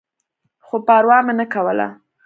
خو پروا مې نه کوله.